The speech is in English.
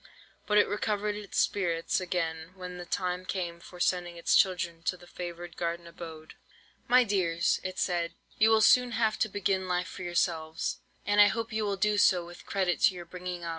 But it recovered its spirits again when the time came for sending its children to the favoured garden abode. "'My dears,' it said, 'you will soon have to begin life for yourselves, and I hope you will do so with credit to your bringing up.